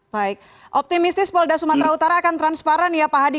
baik optimistis polda sumatera utara akan transparan ya pak hadi